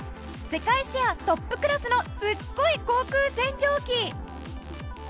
世界シェアトップクラスのすっごい口腔洗浄器。